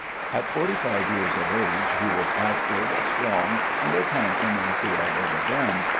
At forty five years of age he was active, strong, and as handsome as he had ever been.